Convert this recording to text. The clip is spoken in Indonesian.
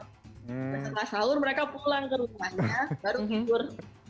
setelah sahur mereka pulang ke rumahnya baru hibur